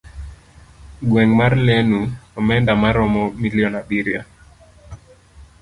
gweng' mar Lenu, omenda maromo milion abiriyo.